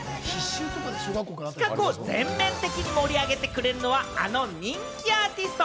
企画を全面的に盛り上げてくれるのは、あの人気アーティスト。